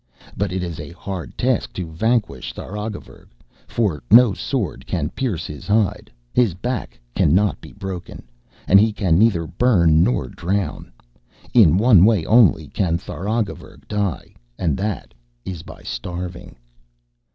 But it is a hard task to vanquish Tharagavverug, for no sword can pierce his hide; his back cannot be broken, and he can neither burn nor drown. In one way only can Tharagavverug die, and that is by starving.'